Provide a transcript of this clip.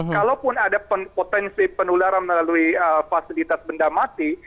kalaupun ada potensi penularan melalui fasilitas benda mati